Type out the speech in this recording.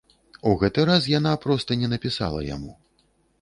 У гэты раз яна проста не напісала яму.